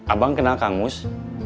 abang kenal kang mus